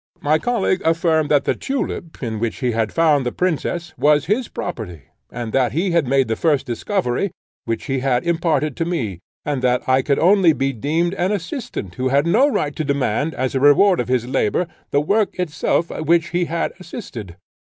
My colleague affirmed that the tulip, in which he had found the princess, was his property; and that he had made the first discovery, which he had imparted to me; and that I could only be deemed an assistant, who had no right to demand, as a reward of his labour, the work itself at which he had assisted.